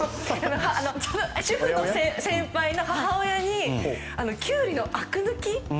主婦の先輩の母親にキュウリのあく抜き。